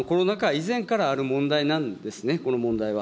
以前からある問題なんですね、この問題は。